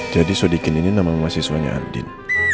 jadi sudikin ini namanya mahasiswanya andin